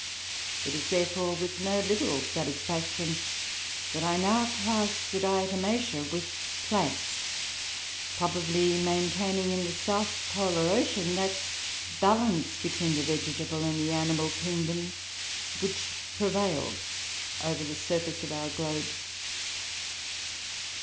It is, therefore, with no little satisfaction that I now class the Diatomaceoe with plants, probably maintaining in the South Polar Ocean that balance between the vegetable and the animal kingdoms which prevails over the surface of our globe.